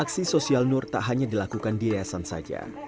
aksi sosial nur tak hanya dilakukan di yayasan saja